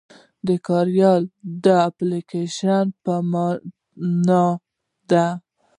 کاریال د اپليکيشن په مانا دی.